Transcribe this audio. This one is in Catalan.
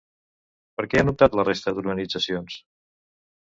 Per què han optat la resta d'organitzacions?